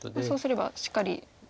そうすればしっかり。